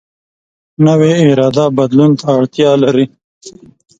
نوې اراده بدلون ته اړتیا لري